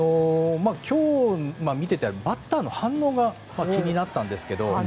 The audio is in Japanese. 今日、見ていてバッターの反応が気になったんですけど。